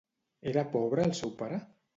Era pobre el seu pare?